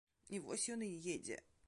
І вось ён едзе.